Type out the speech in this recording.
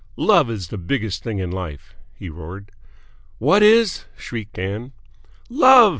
"Love is the biggest thing in life!" he roared. "What is?" shrieked Ann. "Love!"